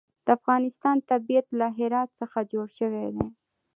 د افغانستان طبیعت له هرات څخه جوړ شوی دی.